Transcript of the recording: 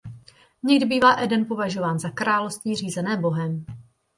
Někdy bývá Eden považován za království řízené Bohem.